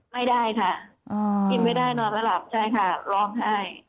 ไม่ได้ค่ะกินไม่ได้นอนไม่หลับใช่ค่ะร้องไห้